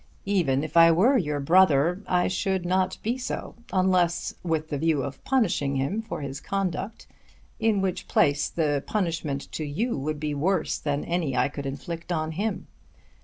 "Even if I were your brother I should not be so, unless with the view of punishing him for his conduct; in which place the punishment to you would be worse than any I could inflict on him.